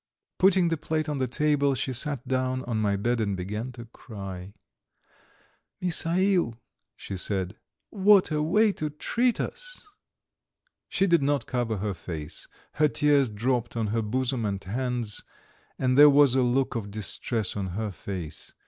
Putting the plate on the table, she sat down on my bed and began to cry. "Misail," she said, "what a way to treat us!" She did not cover her face; her tears dropped on her bosom and hands, and there was a look of distress on her face.